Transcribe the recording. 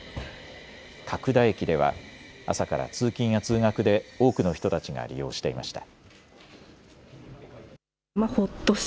角田駅では朝から通勤や通学で多くの人たちが利用していました。